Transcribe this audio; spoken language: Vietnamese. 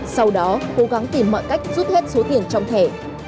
sau đó cố gắng tìm mọi cách rút hết số tiền trong thẻ